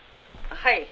「はい。